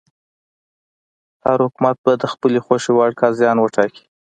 هر حکومت به د خپلې خوښې وړ قاضیان وټاکي.